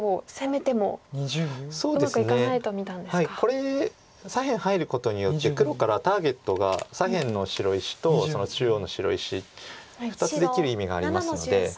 これ左辺入ることによって黒からターゲットが左辺の白石と中央の白石２つできる意味がありますので。